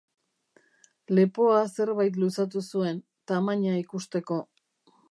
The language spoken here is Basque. Lepoa zerbait luzatu zuen, tamaina ikusteko.